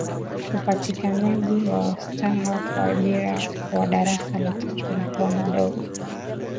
upatikanaji wa staha kwa abiria wa darasa la tatu ulikuwa mdogo